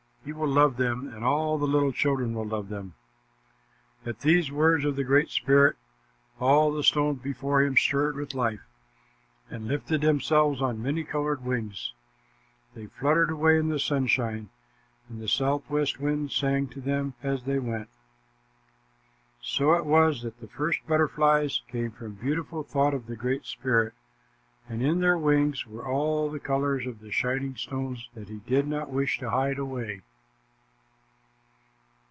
You will love them, and all the little children will love them." At these words of the Great Spirit, all the stones before him stirred with life and lifted themselves on many colored wings. They fluttered away in the sunshine, and the southwind sang to them as they went. So it was that the first butterflies came from a beautiful thought of the Great Spirit, and in their wings were all the colors of the shining stones that he did not wish to hide away.